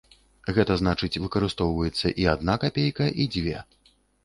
Гэта значыць выкарыстоўваецца і адна капейка, і дзве.